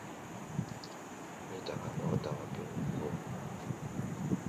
Mí daká wɔ̌r-dawa pí̧nu vbum.